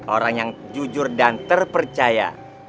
orang yang jujur dan terpercaya